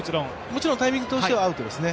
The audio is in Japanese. もちろんタイミングとしてはアウトですね。